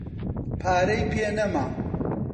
پارەی پێ نەما.